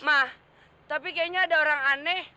mah tapi kayaknya ada orang aneh